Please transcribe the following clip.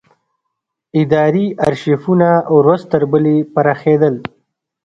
اداري ارشیفونه ورځ تر بلې پراخېدل.